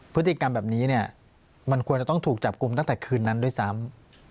พฤติกรรมแบบนี้เนี่ยมันควรจะต้องถูกจับกลุ่มตั้งแต่คืนนั้นด้วยซ้ำ